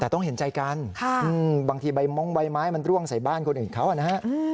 แต่ต้องเห็นใจกันบางทีใบมงใบไม้มันร่วงใส่บ้านคนอื่นเขานะฮะ